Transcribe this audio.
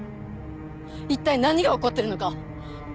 一体何が起こってるのか。